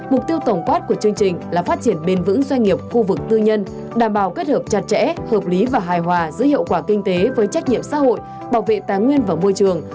mục tiêu tổng quát của chương trình là phát triển bền vững doanh nghiệp khu vực tư nhân đảm bảo kết hợp chặt chẽ hợp lý và hài hòa giữa hiệu quả kinh tế với trách nhiệm xã hội bảo vệ tài nguyên và môi trường